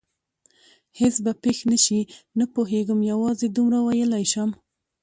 هېڅ به پېښ نه شي؟ نه پوهېږم، یوازې دومره ویلای شم.